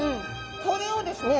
これをですね